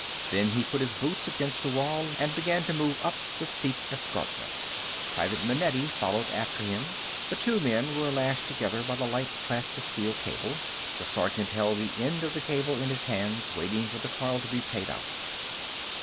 Then he put his boots against the wall and began to move up the steep escarpment. Private Manetti followed after him. The two men were lashed together by the light plastisteel cable. The sergeant held the end of the cable in his hands, waiting for the coil to be paid out.